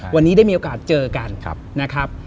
วันนี้ได้มีโอกาสเจอกันนะครับ